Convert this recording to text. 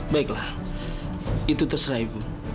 baiklah itu terserah ibu